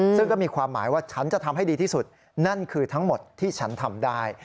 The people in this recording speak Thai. ซึ่งก็มีความหมายว่าฉันจะทำให้ดีที่สุดนั่นคือทั้งหมดที่ฉันทำได้